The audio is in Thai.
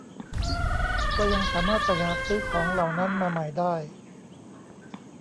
ก็ยังสามารถไปหาซื้อของเหล่านั้นมาใหม่ได้